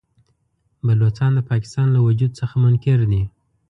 بلوڅان د پاکستان له وجود څخه منکر دي.